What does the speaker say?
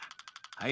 はい。